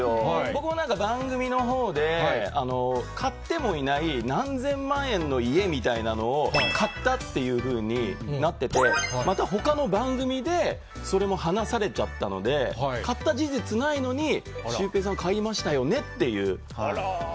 僕もなんか番組のほうで買ってもいない、何千万円の家みたいなのを、買ったっていうふうになってて、またほかの番組で、それもはなされちゃったので、買った事実ないのに、シュウペイさん買いましたよねっていう。